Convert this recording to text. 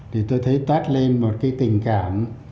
thì tôi thấy toát lên một cái tình cảm